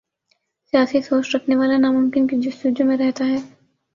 سیاسی سوچ رکھنے والا ناممکن کی جستجو میں رہتا ہے۔